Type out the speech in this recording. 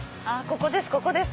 ここです！